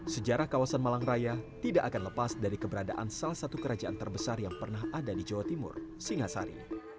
sejarah kawasan malang raya tidak akan lepas dari keberadaan salah satu kerajaan terbesar yang pernah ada di jawa timur singasari